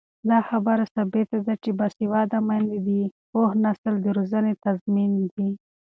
دا خبره ثابته ده چې باسواده میندې د پوه نسل د روزنې تضمین دي.